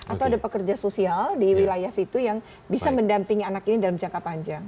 atau ada pekerja sosial di wilayah situ yang bisa mendampingi anak ini dalam jangka panjang